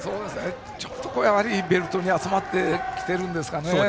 ちょっとベルトに集まってきているんですかね。